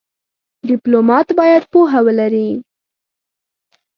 ډيپلومات باید پوهه ولري.